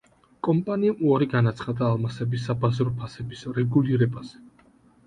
კომპანიამ უარი განაცხადა ალმასების საბაზრო ფასების რეგულირებაზე.